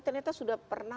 ternyata sudah pernah